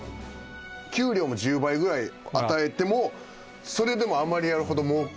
給料も１０倍ぐらい与えてもそれでも余りあるほど。